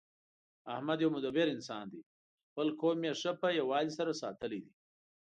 احمد یو مدبر انسان دی. خپل قوم ښه په یووالي سره ساتلی دی